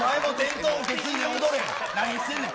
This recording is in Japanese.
何してんねん。